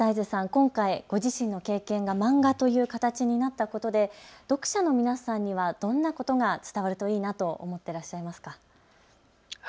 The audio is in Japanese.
今回ご自身の経験が漫画という形になったことで、読者の皆さんには、どんなことが伝わるといいなと思ってらっしゃいますか。